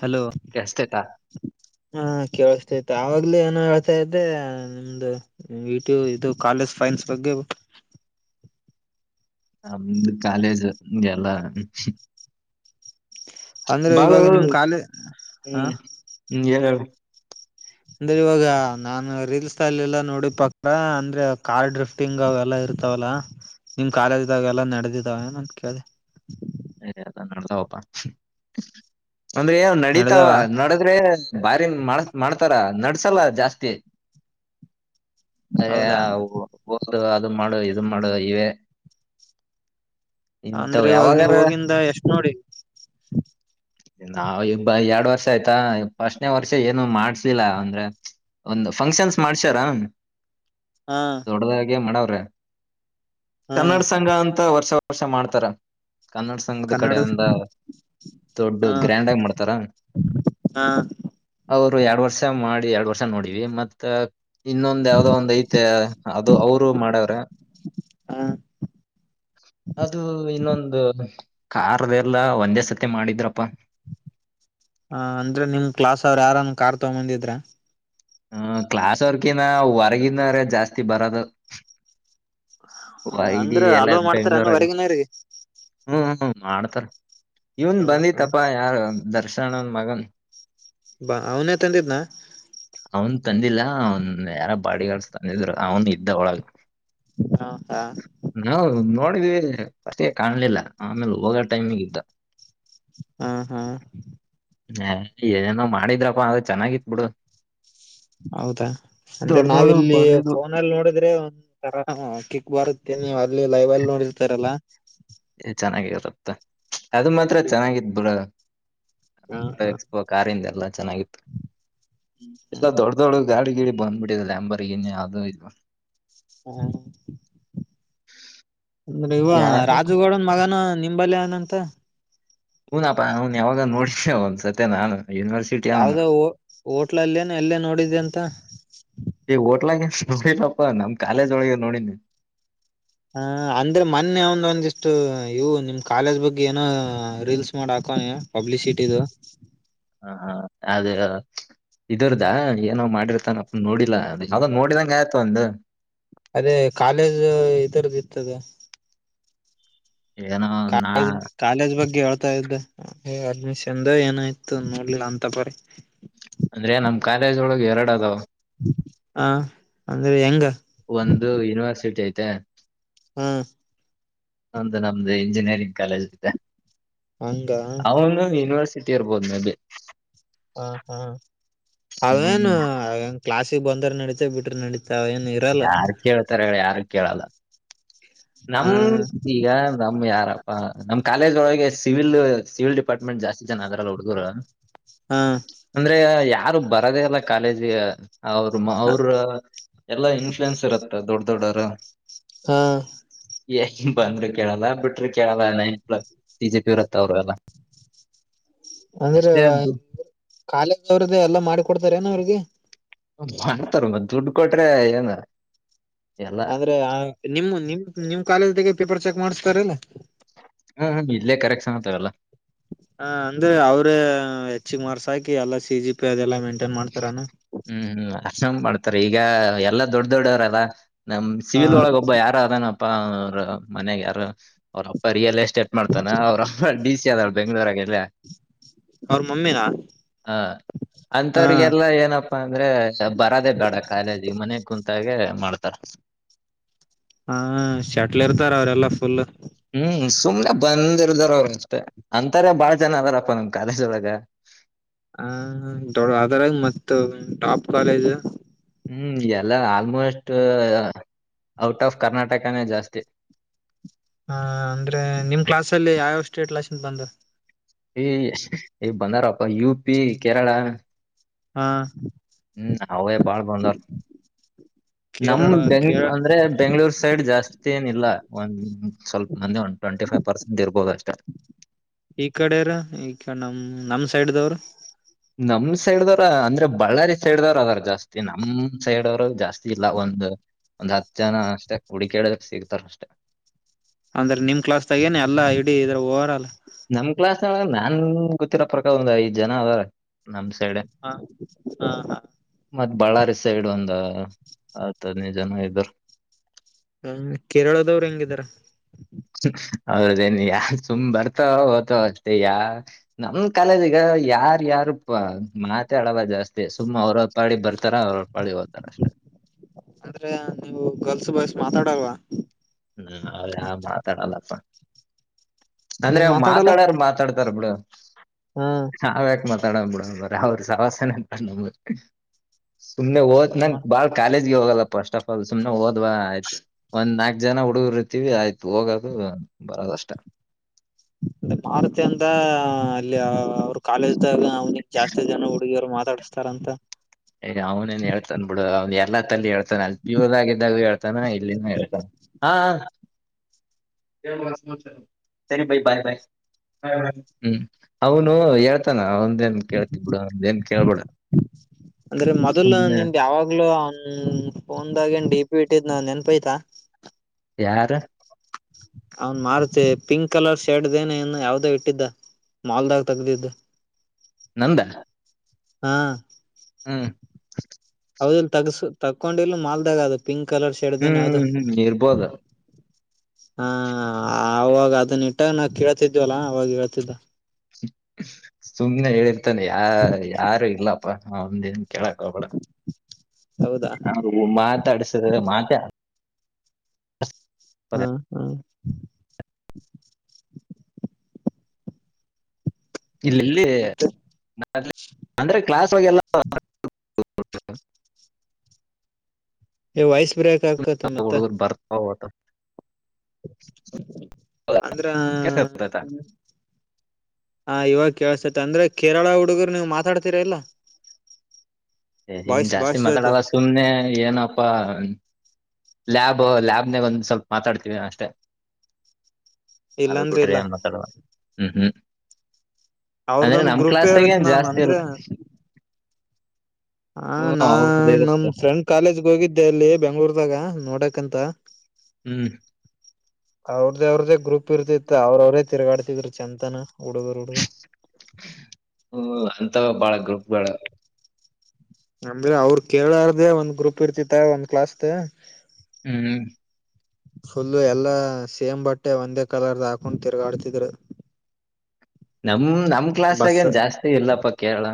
Hello ಎಸ್ಟೇಟ ಹ ಕೇಳಸ್ತೈತ ಆವಾಗ್ಲೆ ಏನೊ ಹೇಳ್ತಾಯಿದ್ದೆ ನಿಮ್ದು ವಿ ಟಿ ಯು ಇದು ಕಾಲೇಜ್ ಸೈನ್ಸ್ ಬಗ್ಗೆ. [inaudible] ನಮ್ದು ಕಾಲೇಜು ಎಲ್ಲಾ ಅಂದ್ರೆ ಬಾಳೂ ಇವಾಗ ನಿಮ್ ಕಾಲೇ ಹ ಹ್ಮ್ ಹ್ಮ ಏನ್ ಹೇಳ್. ಅಂದ್ರೆ ಇವಾಗ ನಾನು ರೀಲ್ಸ್ ಅಲ್ಲೆಲ್ಲ ನೋಡಿ ಪಕ್ರ ಅಂದ್ರೆ ಕಾರ್ ಡ್ರಿಫ್ಟಿಂಗ್ ಅವೆಲ್ಲ ಇರ್ ತಾವಲ್ಲಾ ನಿಮ್ ಕಾಲೇಜದಾಗೆಲ್ಲಾ ನಡೆದಿದಾವ ನನ್ ಕೇಳ್ದೆ. [inaudible] ಅ ಅದ ನಡತಾವಪ್ಪಾ ಅಂದ್ರೆ ಏ ನಡತಾವ ನಡ್ದಾವ ನಡದ್ರೆ. ಬಾರಿ ಮಾಡಡ್ ಮಾಡ್ತರ ನಡ್ಸಲ್ಲ ಜಾಸ್ತಿ. ಅಯ್ಯ ಹೌದಾ ಅವ್ರು [unintelligible] ಇದು ಮಾಡು ಇದು ಮಾಡು ಇವೆ. ಇಂಥವ್ ಅಂದ್ರೆ ಇವಾಗ ನೀವ್ ಯಾವಾಗಾರ ಹೋಗಿಂದ ಎಷ್ಟ್ ನೋಡಿ. ನಾವ್ ಇಬ್ಬ ಎರಡ್ ವರ್ಷ ಆಯ್ತಾ ಪಸ್ನೇ ವರ್ಷ ಏನು ಮಾಡ್ಸಿಲ್ಲ ಅಂದ್ರೆ. ಒಂದ್ ಫಂಕ್ಷನ್ಸ್ ಮಾಡ್ಸ್ಯಾರ. ಹಾ ದೊಡ್ಡದಾಗೆ ಮಾಡವ್ರೆ ಹಾ ಕನ್ನಡ ಸಂಘ ಅಂತ ವರ್ಷ. ವರ್ಷ ಮಾಡ್ತಾರ ಕನ್ನಡ ಸಂಘದ ಕನ್ನಡ ಕಡೆಯಿಂದ. ದೊಡ್ಡು ಹಾ ಗ್ರ್ಯಾಂಡ್ ಆಗ್ ಮಾಡ್ತರ ಹಾ ಹೌದು. ರು ಎರಡ್ ವರ್ಷ ಮಾಡಿ ಎರಡ್ ವರ್ಷ ನೋಡವಿ ಮತ್. ಇನ್ನೊಂದ ಯಾವ್ದೋ ಒಂದ್ ಐತೆ ಅದು ಅವರು ಮಾಡವ್ರೆ. ಹಾ ಹ ಅದು ಇನ್ನೊಂದು. ಕಾರ್ದ್ದೆಲ್ಲ ಒಂದೇ ಸತಿ ಮಾಡಿದ್ರಪ್ಪಾ. ಹ ಅಂದ್ರೆ ನಿಮ್ ಕ್ಲಾಸ್ ಅವ್ರ್ ಯಾರನ ಕಾರ್ ತಗೊ ಬಂದಿದ್ರ. ಹ್ಮ ಕ್ಲಾಸ್ವರ್ಕಿನ ಹೊರ್ಗಿನವ್ರೆ ಜಾಸ್ತಿ ಬರದು. ಹ ವೈ ಡಿ ಅಂದ್ರೆ ಎಲ್ಲ ಅಲೋ ಮಾಡ್ತಾರ ಬೆಂಗ್ಳೂರಾಗ ಹೊರಗಿನವ್ರಿಗೆ ಹ್ಮ್. ಮಾಡ್ತಾರ ಇವನ್ ಹ್ಮ ಹ್ಮ ಬಂದಿತಪ್ಪ ಯಾರು ದರ್ಶನ್ನನ್ನೂನ್ ಮಗನ್. ಬಾ ಅವನೆ ತಂದಿದ್ನ. ಅವನ್ ತಂದಿಲ್ಲ ಅವನ್ ಯಾರ ಬಾಡಿಗಾಡ್ಸ್ ತಂದಿದ್ರು ಅವನು ಇದ್ದ ಒಳಗ. ಹ ಹಾ ನೋ [inaudible] ವೆ ಅಷ್ಟೆ ಕಾಣ್ಲಿಲ್ಲ ಆಮೇಲೆ ಹೋಗೋ ಟೈಮಿಗ್ ಇದ್ದ. ಹಾ ಹಾ ಹ ಏನೇನೋ ಮಾಡಿದ್ರಪ್ಪ ಅ ಚೆನ್ನಾಗಿತ್ ಬಿಡು. ಹೌದಾ ಅಂದ್ರೆ ದೊಡ್ಡದೊಡು ನಾವಿಲ್ಲಿ ಬಂದಿದ್ದು ಫೋನಲ್ಲಿ ನೋಡಿದ್ರೆ ಒಂದ ತರಿ ಬರುತ್ತೆ ನೀವ್ ಅಲ್ಲಿ ಲೈವ್ ಅಲ್ಲಿ ನೋಡಿರ್ತಾರಲ್ಲ ಚೆನ್ನಾಗಿರುತ್ತ ಅದು ಮಾತ್ರ ಚೆನ್ನಾಗಿದ್ ಬುರ ಹ ಹ ಎಕ್ಸ್ಪೋ ಕಾರಿಂದ ಎಲ್ಲ ಚೆನ್ನಾಗಿತ್ತು ಎಲ್ಲ ಹ್ಮ್ ದೊಡ್ಡ ದೊಡ್ಡ ಗಾಡಿ ಗಿಡಿ ಬಂದ್ಬಿಟ್ಟಿದೆಲ್ಲ ಅಂಬರ್ ಏನ್ ಯಾವು್ದೋ ಇದು ಹಾ ಅಂದ್ರೆ ಇವ ಯಾರ ರಾಜುಗೌಡನ್ ಮಗನ ನಿಂಬಲ್ನಂತ ಹನಪ್ಪ ಅವನ್ ಯಾವಾಗ ನೋಡ ಒಂದ್ಸತ್ತ ನಾನು ಯೂನಿವರ್ಸಿಟಿ ಅವನು ಯಾವ್ದೋ ಹ ಹೋಟ್ಲಲ್ಲೇಏನ ಎಲ್ಲೇ ನೋಡಿದ್ದೆ ಅಂತ ಪಾಪ್ಪಾ ನಮ ಕಾಲೇಜ್ ಒಳಗ ನೋಡಿನಿ ಹ ಅಂದ್ರೆ ಮೊನ್ನೆ ಒಂದ ಒಂದಿಷ್ಟು ಇವು ನಿಮ್ ಕಾಲೇಜ್ ಬಗ್ಗೆ ಏನೋ ರೀಲ್ಸ್ ಮಾಡಕ್ ಕ ಪಬ್ಲಿಸಿಟ ದ ಹ ಹಾ ಅ ಇದರ್ದ ಏನಾವ್ ಮಾಡಿರ್ತಾನಪ್ಪ ನೋಡಿ ಯಾವ್ದಾಗ್ ನೋಡಿದಂಗ ಆಯ್ತು ಒಂದು ಅದೇ ಕಾಲೇಜು ಇದರದ್ದ ಇರ್ತದೆ ಏನೋ ನಾ ಕಜ್ ಕಾಲೇಜ್ ಬಗ್ಗೆ ಹ ್ದ ಅದ್ಮಿಷನ್ ಏನಾಯ್ತು ನೋಡ್ಿಲ್ಲ ಅಂತ ಬರಿ ಅಂದ್ರೆ ನಮ್ ಕಾಲೇಜ್ ಒಳಗೆ ಎರಡು ಅದಾವ ಹ ಅಂದ್ರೆ ಹೆಂಗ ತ್ತ ಹ್ಮ್ ಒಂತ ನಮ್ದು ಇಂಜಿನಿಯರಿಂಗ್ ಕಾಲೇಜ್ ಇದೆ ಹಂಗ ಅವನು ಯನಿವರ್ಸಿ ಸಿಟಿ ಇರ್ಬೋದು ಮ ಹ ಹಾ ಹ್ಮ್ ಅವೇನುನ್ ಕ್ಲಾಾಸಿಗೆ ಬಂದ್ರ ನಡಿತೇ ಬಿಟ್ರ ನಡಿತ ಯಾರು ಕೇಳ್ತಾರ ಹೇಳಿ ಯಾರ ಕೇಳಲ್ಲ ಹ ನಮ್ ಈಗ ನಮ್ ಯಾರ ಹ ನಮ್ ಕಾಲೇಜ್ ಒಳಗೆ ಸ ಸಿಿವಿ ಸಿವಿಲ್ ಡಿಪಾರ್ಟ್ಮೆಂಟ್ ಜಾಸ್ತಿ ಸನ್ ಅದ್ರಲ್ಲ ಹುಡುಗರು ಹ ಅಂದ್ರೆ ಯಾರು ಬರದೇ ಅಲ್ಲ ಕಾಲೇಜಿಗೆ ಅವ್ರ ಅವ್ರ ಎಲ್ಲಾ ಇನ್ಫ್ಲೂಯನ್ಸ್ ಇರತ್ತ ದೊಡ್ ದೊಡ್ಡರ ಹಾ ಬಂದ್ರಿ ಕೇಳಲ್ಲ ಬಿಟ್ರಿ ಕೇಳಲ್ಲ ನೈನ್ ಪ್ಲ ಟ ಜೆ ಪಿ ಇರತ್ತ ಅವ್ರಲ್ಲ ಅಂದ್ರ ಕಾಲೇಜ ಅವ್ರದ್ದ ಎಲ್ಲಾ ಮಾಡಿ ಕೊಡ್ತಾರ ಏನ ಅವ್ರಿಗೆ ಮಾಡ್ತರ್ಂಗ ದುಡ್ ಕೊಟ್ರೆ ಏನ್ ಅಂದ್ರೆ ನಿಮ ನಿಮ ನಿಮ್ ಕಾಲೇಜ್ದಾಗ ಪೇಪರ್ ಚೆಕ್ ಮಾಡ್ಸ್ತಾರಲ್ಲ ಹ್ಮ ಹ ಇಡ್ಲೇ ಕರೆಕ್ಟ್ ಸತವಲ್ಲ ಹ ಅಂದ್ರೆ ಅವ್ರ ಹೆಚ್ಚಿಗೆ ಮಾರ್ಸ್ ಹಾಕಿ ಎಲ್ಲಾ ಸಿ ಜಿ ಪಿ ಅದೆಲ್ಲಾ ಮೆಂ ಹ್ಮ್ ಹ್ಮ್ ಆರಾಮ್ ಮಾಡ್ತಾರ ಈಗ ಎಲ್ಲಾ ದೊಡ್ಡ ದೊಡ್ಡವ್ರ ಅದ ನಮ ಹ ಸಿವಿಲ್ ಒಳಗ ಒಬ್ಬ ಯಾರು ಅದನಪ್ಪ ಅವ್ರ ಮನ್ಯಾಗ ಯಾರ ಅವ್ರಪ್ಪ ರಿಯಲ್ ಎಸ್ಟೇಟ್ ಮಾಡ್ತಾನ ಅವ್ರಪ್ಪ ಡಿ ಸಿ ಅದಳ ಬೆಂಗ್ಳೂರಾಗೆಲ್ಲ ಅವ್ರ ಮೊಮ್ಮೆನಾ ಮತ್ತವ್ರಿಗೆಲ್ಲ ಏನಪ್ಪಾ ಅಂದ್ರೆ ಬರದೇ ಬೇಡ ಕಾಲೇಜಿಗೆ ಮನೆ ಕುಂತಾಗೆ ಮಾಡತ ತ ಹಾ ಶಟ್ಲ್ ಇರ್ತಾರ ಅವ್ರೆಲ್ಲಾ ಫುಲ್ ಹ್ಮ್ ಸುಮ್ನೆ ಬಂದಿರ್ದಾರ ಅವರುಷ್ಟ ಅಂತಾರೆ ಬಾಳ ಜನ ಅದಾರಪ್ಪ ನಿಮ ಕಾಲೇಜ್ ಒಳಗ ಹ ದೊಡ್ಡ ಅದರಾಗ ಮತ್ತ ಟಾಪ್ ಕಾಲೇಜ್ ಹ್ಮ್ ಎಲ್ಲ ಆಲ್ಮೋಸ್ಟ್ ಔಟ್ ಆಫ್ ಕರ್ನಾಟಕನೇ ಜಾಸ್ತಿ ಹ ಅಂದ್ರೆ ನಿಮ ಕ್ಲಾಸಲ್ಲಿ ಯಾವಾವಷ್ಟೇ ಕ್ಲಾಸ್ ಬಂದು ಈ ಬಂದಾರಪ್ಪ ಯು ಪಿ ಕೇರಳ ಹಾ ಹ್ಮ್ ಅವೇ ಬಾಳ್ ಬಂದಾರ ನಮ ಕೇರಳ ಬೆಂಗ್ ಕೇಳ ಅಂದ್ರೆ ಬೆಂಗಳೂರು ಸೈಡ್ ಜಾಸ್ತಿ ಏನ ಇಲ್ಲ ಒ ಸ್ವಲ್ಪ ಮಂದಿ ಒಂದ್ ಟ್ವೆಂಟಿ ಫೈವ್ ಪರ್ಸೆಂಟ್ ಇರ್ಬೋದು ಅಷ್ಟೇ ಈ ಕಡೆರ ಈ ನಮ ನಮ್ ಸೈಡ್ದವರು ನಮ ಸೈಡ್ ದವರ ಅಂದ್ರೆ ಬಳ್ಳಾರಿ ಸೈಡ್ ದವರ ಅದಾರ ಜಾಸ್ತಿ ನಮ್ ಸೈಡ್ ಅವರು ಜಾಸ್ತಿ ಇಲ್ಲ ಒಂದ ಒಂದ್ ಹತ್ತು ಜನ ಅಷ್ಟೇ ಉುಡಿಕೇಳ ಸಿಗ್ತಾರ ಅಷ್ಟೆ ಅಂದ್ರೆ ನಿಮ್ ಕ್ಲಾಸ್ ತಾಗೇನ ಎಲ್ಲಾ ಇಡೀ ಇದ್ರ ಓವರ್ಲ್ ನಮ್ ಕ್ಲಾಸ್ ನಾನ್ ಗೊತ್ತಿರ ಪ್ರಕಾರ ಒಂದ್ ಐದ್ ಜನ ಅದ ಹಾ ಹಾ ಹಾ ಮತ್ತ್ ಬಳ್ಳಾರಿ ಸೈಡ್ ಒಂದ ಆತದ್ನಿ ಜನ ಇದರು ಹ ಕೇರಳದವರು ಹೆಂಗಿದಾರ ಹೌದದೇನ್ ಯಾರ ಸುಂಬ್ ಬರ್ತಾವ ಓತಾವ ಅಷ್ಟೇ ಯಾ ನಮ ಕಾಲದಗ ಯಾರ ಯಾರು ಮಾತಾಡವ ಜಾಸ್ತಿ ಸುಮ್ಮ್ ಅವ್ರ ಹೊಪಾಳಿ ಬರ್ತಾರ ಅವ್ರ ಹೊಪಾಡಿ ಹೋಗ್ತಾರ ಅಷ್ಟೆ [inaudible] ಅಂದ್ರೆ ನೀವು ಗರ್ಲ್ಸ್ ಬಾಯ್ಸ್ ಮಾತಾಡಲ್ವಾ ಹಾ ಅವ್ರ ಮಾತಾಡಲ್ಲಪ್ಪ ಅಂದ್ರೆ ನೀನ್ ಅವ ಮಾತಾಡಲ್ಲ ಮಾತಾಡಾರ ಮಾತಾಡ್ತಾರ ಬಿಳ ನಾವ ಯಾಕ ಮತ್ ಬಿಡರ ಅವ್ರ ಸವಾಸಂತ ನ ಸುಮ್ನೆ ಓದ ನಂ ಹ್ಮ ಬಾಳ್ ಕಾಲಿಜ ಹೋಗಲ್ಲ ಫಸ್ಟ್ ಆಫ ಆಲ್ ಸುಮ್ನೆ ಹದ್ ಆಯ್ತ ಒ್ ನಾಕು ಜನ ಹುಡುಗ ಇರ್ತೀವಿ ಆಯ್ತು ಹೋಗೋದು ಬರದಷ್ಟೇ ಅ ಮಾರುತಿ ಅಂತ ಅಲ್ಲಿ ಅವರು ಕಾಲೇಜ್ಗ ಅವ್ನಿಗ್ ಜಾಸ್ತಿ ಜನ ಹುಡುಗಿಯವ್ರು ಮಾತಾಡಿಸಸ್ತಾರ ಅಂತ ಅವ್ನೇನ್ ಹೇಳ್ತನ್ ಬಿಡ ಅವ್ ಎಲ್ಲತ್ತ ಅಲ್ಲಿ ಹೇಳ್ನ ಅಲ್ಲಿ ಪ್ಯೂರ್ ಆಗಿದ್ದಾಗ ಹೇತಾನ ಇಲ್ಲಿನೂ ಹೇಳ್ತಾನ ಹಾ ತರಿ ಬ ಬಾಯ ಬಾಯ ಹ ಹ್ಮ್ ಅವನು ಹೇಳ್ತಾನ ಅವನ್ ನನ್ ಕೇಳ್ತಿ ಬಿಡ ನೇನ್ ಕೇಳ್ಬಿಡ ಅಂದ್ರೆ ಮೊದಲು ನಿನ್ ಯಾವಾಗ್ಲೂನ್ ಒಂದಾಗೇನ್ ಡಿ ಪಿ ಇಟ್ಟಿದ್ ನಾವ್ ನೆನ್ಪಯ್ತಾ ಯಾರು ಅವನ್ ಮಾರತಿ ಪಿಂಕ್ ಕಲರ್ ಶರ್ಡ್ ಏನ ಏನು ಯಾವ್ದೋ ಇಟ್ಟಿದ್ದ ಮಾಲ್ದಾಗ ತಗ್ದಿದ್ದು ನಂದ ಹಾ ಹ್ಮ್ ಹೌದ ಇಲ್ ತಗಸು ತಗಕೊಂಡಿಲ್ಲು ಮಾಲ್ದಾಗ ಅದು ಪಿಂಕ್ ಕಲರ್ ಸೇಡದನೆ ದ ಹ್ಮ್ ಹ್ಮ್ ಇರ್ಬೋದು ಹಾ ಅವಾಗ ಅದನ್ನ ಇಟ್ಟಾಗ ನಾ ಕೇಳ್ತಿದವಲ್ಲ ಅವಾಗ ಹೇಳ್ತಿದ್ದ ಸುಮ್ನೆ ಹೇಳಿರ್ತಾನೆ ಯ ಯಾರು ಇಲ್ಲಪ್ಪ ಒಂದ ಕೆೇಳಕ್ಬಳ ಹೌದಾ ನ ಮಾತಾಡ್ಸಿದ ಮಾತೆ ಹಾ ಹಾ ಇಲ್ಲಿ ಇಲ್ಲಿ ಮತ್ತೆ ಅಂದ್ರೆ ಕ್ಲಾಸ್ಗೆಲ್ಲ [unintelligible] ಕ [unintelligible] ವಾಯ್ಸ್ ಬ್ರೇಕ್ ಆಗ್ಕತ್ತ ಮತ್ತ ಬರ್ತಾವ ಹೋಗ್ತಾವ ಅಂದ್ರೆ ಕೆಲ್ಸ ಇರ್ತೈತ ಹಾ ಇವಾಗ ಕೇಳ್ಸೈತಿ ಅಂದ್ರೆ ಕೇರಳ ಹುಡುಗರು ನೀವು್ ಮಾತಾಡ್ತಿೀರ ಇಲ್ಲ ಸನ್ ಬಾಯ್ಸ್ ಜಾಸ್ತಿ ಬಾಯ್ಸ್ ಜೊತೆ ಮಾತಾಡಲ್ಲ ಸುಮ್ನೆ ಏನಪ್ಪ ಲ್ಯಾಬ್ ಲ್ಯಾಬ್ನಾಗ ಒಂದ್ ಸ್ವಲ್ಪ ಮಾತಾಡ್ತೀವಿ ಅಷ್ಟೆ ಅದ ಇಲ್ಲಾಂದ್ರೆ ಬಿಟ್ರಿ ಇಲ್ಲ ಏನ್ ಮಾತಾಡುವ ಹ್ಮ್ ಹ್ಮ್ ಅಂದ್ರೆ ಅವ್ರದೊಂದ್ ನಮ ಗ್ರೂಪೇ ಕ್ಲಾಸ್ಾಗ ಇರುತ್ ಏನ್ ನಾನ್ ಜಾಸ್ತಿ ಅಲ್ ಅಂದ್ರೆ ಹ ನಾ ನಮ್ ಇರುತ್ತೆ ಫ್ರೆಂಡ್ ಕಾಲೇಜ್ಗೆ ಹೋಗಿದ್ದೆ ಅಲ್ಲಿ ಬೆಂಗ್ಳೂರ್ದಾಗ ನೋಡಕ್ ಅಕಂತ ಹ್ಮ್ ಅವ್ರ್ದೇ ಅವ್ರ್ದೇ ಗ್ರೂಪ್ ಇರ್ತಿತ್ತ ಅವ್ರ ಅವ್ರೇ ತಿರ್ಗಾಡ್ತಿದ್ರ ಚೆಂತನ ಹ್ಮ ಅಂತ ಬಾಳ ಗ್ರಪ್ಗಳ ನಮಿರ ಅವ್ರ ಕೇಳಾರ್ದೇ ಒಂದ್ ಗ್ರೂಪ್ ಇರ್ತಿತ್ತ ಒಂದ್ ಕ್ಲಾಸ್ ಹ್ಮ್ ಫುಲ್ಲು ಎಲ್ಲಾ ಸೇಮ್ ಬಟ್ಟೆ ಒಂದೇ ಕಲರ್ದ ಹಾಕೊಂಡ್ ತಿರ್ಗಾಡ್ತಿದರು ನಮ ನಮ್ ಕ್ಲಾಸ್ಗ ಏನ್ ಜಾಸ್ತಿ ಇಲ್ಲಪ್ಪ ಕೇರಳ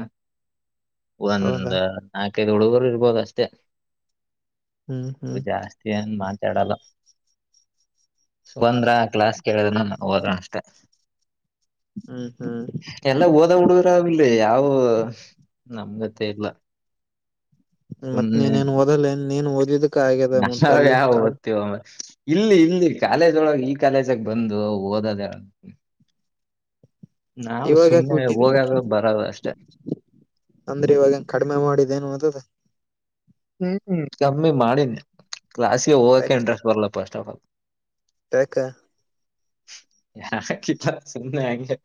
ಹೌದಾ ಒಂದ್ ನಾಕೈದು ಹುಡುಗರು ಇರ್ಬೋದ ಅಷ್ಟೇ ಹ್ಮ್ ಅ ಹ್ಮ್ ಜಾಸ್ತಿ ಅನ್ ಮಾತಾಡಲ್ಲ ಸುಗಂದ್ರ ಕ್ಲಾಸ್ ಕೇಳಿದನ ಹೋದಣ ಅಷ್ಟೆ ಹ್ಮ್ ಹ್ಮ್ ಎಲ್ಲ ಹಓದ ಹುಡುಗರ ಆಗಿಲ್ಲ ಯಾವ ನಮ್ಗೆತ್ತೇ ಇಲ್ಲ ಮತ್ತತ್ ನೀನ್ನ್ ಓದಲ್ಲ ನೀನು ನಾ ಯ ಬತ್ತ ಇಲ್ಲಿ ಇಲ್ಲಿ ಕಾಲೇಜ್ ಒಳಗೆ ಈ ಕಾಲೇಜಗ ಬಂದು ಓದದ ನಾವವು ಇವಾಗ ಯಾಕ ಸುಮ್ಮ್ನೆ ಬಿಟ್ಟಿದೆ ಹೋಗಾಗ ಬರದು ಅಷ್ಟೆ ಅಂದ್ರೆ ಇವಾಗ ಕಡಿಮೆ ಮಾಡಿದೇನು ಓದುದ ಹ್ಮ್ ಕಮ್ಮಿ ಮಾಡಿನಿ ಕ್ಲಾಸ್ಗೆ ಹೋಗಕ್ಕೆ ಇಂಟ್ರೆಸ್ಟ್ ಬರ್ಲ್ಲ ಫಸ್ಟ್ ಆಫ್ ಆಲ್ ಯಾಕ್ಕ ಯ ಕತ ಸನ್ನ ಆ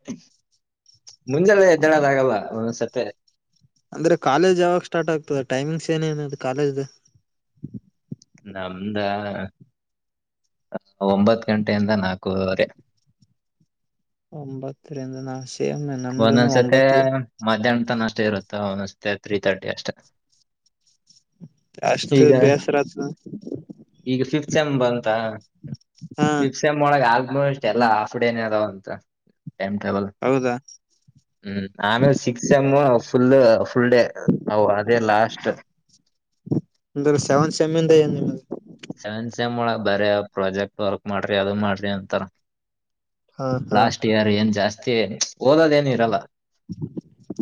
ಮುಂಜೆಲ್ಲೆ ಎದ್ದಡದ ಆಗಲ್ಲ ಒಸತ್ತ ಅಂದ್ರೆ ಕಾಲೇಜ್ ಯಾವಾಗ ಸ್ಟಾರ್ಟ್ ಆಗ್ತದೆ ಟೈಮಿಂಗ್ಸ್ ಏನೇನುದು ಕಾಲೇಜ್್ದ ನಮ್ದ ಒಂಬತ್ ಗಂಟೆಯಿಂದ ನಾಲ್ಕೂವರೆ ಒಂಬತ್ತರಿಂದ ನಾಶ ಒಂದೊಂದ್ಸತಿ ಮಧ್ಯಾಹ್ನ ತನ ಅಷ್ಟೇ ಇರುತ್ತ ಒಂದೊಂದ್ಸತೆ ತ್ರೀ ತರ್ಟಿ ಅಷ್ಟೇ ಅಷ್ಟು ಈಗ ಬೇಸರತ್ ಪ್ಸೆಮ್ ಬಂತ ಹಾ ಪ್ಸೆಮ್ ಒಳಗ ನ ಇಷ್ಟ ಎಲ್ಲ ಹಾಫ್ ಡೇನ ಅದ ಅಂತ ಟೈಮ್ ಟೇಬಲ್ ಹ ಹ್ಮ್ ಆಮೇಲೆ six M full full day ಅ ಅದೇ ಲಾಸ್ಟ್ ಅಂದ್ರೆ ಸೆತ್ ಸಮಿಂದ ಏ ಸೆವೆನ್ ಸೆಮ್ ಒಳ ಬರ ಪ್ರಾಜೆಕ್ಟ್ ವರ್ಕ್ ಮಾಡ್ರಿ ಅದು ಮಾಡ್ರಿ ಅಂತಾರ ಹಾ ಹಾ ಲಾಸ್ಟ್ ಇಯರ್ ಏನ್ ಜಾಸ್ತಿ ಓದದ ಏನ ಇರಲ್ಲ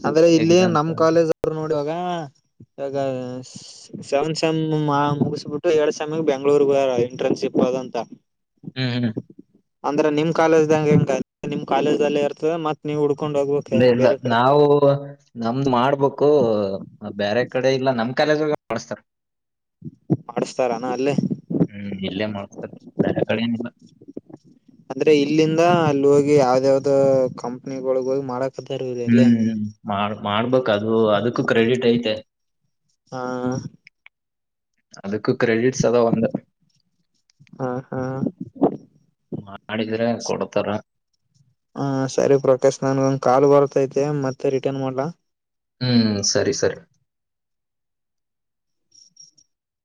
ಆದಂದ್ರೆ ಇಲ್ಲಿ ಎಕ್ಸಾಮ್ಸ್ ನಮ ಕಾಲೇಜ್ ಅವರು ನೋಡಿುವಾಗ ಇಗ ಸೆ ಮುಗಿಸ್ಬಿಟ್ಟು ಎರಡ್ ಸಾಮಗ್ ಬೆಂಗ್ಳೂರ್ ಬಾರ ಇಂಟ್ರನ್ಶಿಪ್ ಆದಂತ ಹ್ಮ್ ಹ್ಮ್ ಅಂದ್ರೆ ನಿಮ್ ಕಾಲೇಜ್ದಂಗ ಹೆಂಗ ನಿಮ್ ಕಾಲೇಜ್ದಲ್ಲಿ ಇರ್ತದೆ ಮತ್ ನೀವು ಉುಡ್ಕೊಂಡ್ ಹೋಗ ಇಲ್ಲ ಇಲ್ಲ ನಾವು ನಮ್ದು ಮಾಡ್ಬೇಕು ಬೇರೆ ಕಡೆ ಇಲ್ಲ ನಮ ನಮ್ ಕಾಲೇಜೊಳಗ ಮಾಡಳಸ್ತಾರೆ ಮಾಡಿಸ್ತಾರಾನ ಅಲ್ಲೇ ಹ್ಮ್ ಇಲ್ಲೇ ಮಾಸ ಧಾರ ಕಳನಿಲ್ಲ ಅಂದ್ರೆ ಇಲ್ಲಿಂದ ಅಲ್ಲಿ ಹೋಗಿ ಯಾವ್ದ ಯಾವ್ದ ಕಂಪನಿಗಳೊಗ ಹೋಗಿ ಮಾಡಕ್ ಹ್ಮ್ ಮಾಡ ಮಾಡ್ಬೇಕ ಅದು ಅದಕ್ಕ ಕ್ರೆಡಿಟ್ ಐತೆ ಹಾ ಅದಕ್ಕ ಕ್ರೆಡಿಟ್ಸ್ ಅದೋ ಒಂದ ಹಾ ಹಾ ಮಾಡಿದ್ರಏನ್ ಕೊಡ್ತಾರ ಹ ಸರಿ ಪ್ರಕಾಶ್ ನನ್ಗ ಒಂದ್ ಕಾಲು ಬರ್ತೈತೆ ಮತ್ತೆ ರಿಟರ್ನ್ ಮಾಡ್ಲಾ ಹ್ಮ್ ಸರಿ ಸರಿ